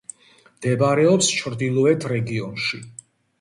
მდებარეობს ჩრდილოეთ რეგიონში.